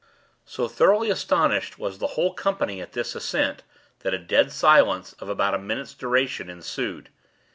So thoroughly astonished was the whole company at this ascent, that a dead silence, of about a minute's duration, ensued.